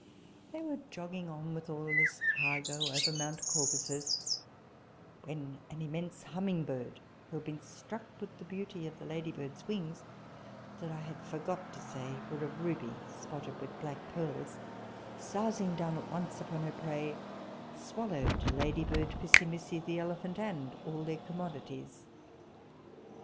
They were jogging on with all this cargo over mount Caucasus, when an immense humming bird, who had been struck with the beauty of the ladybird's wings, that I had forgot to say were of ruby spotted with black pearls, sousing down at once upon her prey, swallowed ladybird, Pissimissi, the elephant, and all their commodities.